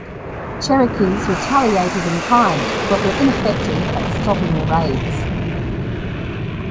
Cherokees retaliated in kind, but were ineffective at stopping the raids.